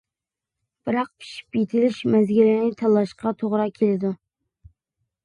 بىراق پىشىپ يېتىلىش مەزگىلىنى تاللاشقا توغرا كېلىدۇ.